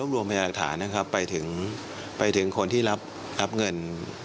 รับเงิน